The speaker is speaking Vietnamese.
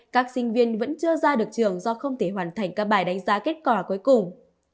các sinh viên vẫn chưa ra được trường do không thể hoàn thành các bài đánh giá kết quả cuối cùng